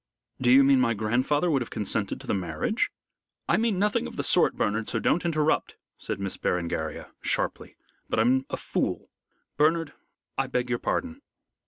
"Do you mean my grandfather would have consented to the marriage?" "I mean nothing of the sort, Bernard, so don't interrupt," said Miss Berengaria, sharply, "but I'm a fool. Bernard, I beg your pardon."